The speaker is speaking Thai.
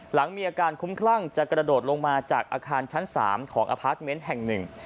หลังมีอาการคุ้มครั่งจะกระโดดลงมาจากอาคารชั้นสามของแห่งหนึ่ง